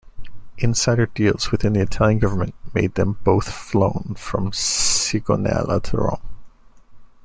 Insider deals within the Italian government made them both flown from Sigonella to Rome.